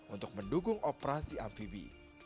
untuk mendukung operasi amfibi